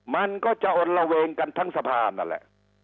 มันก็จะอดระเวงกันทั้งสะพานนั่นแหละ